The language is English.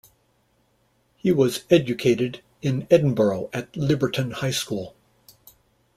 He was educated in Edinburgh at Liberton High School.